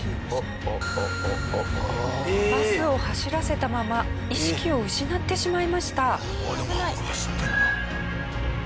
バスを走らせたまま意識を失ってしまいました。